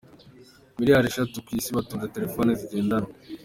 Miliyari esheshatu ku isi batunze telefone zigendanwa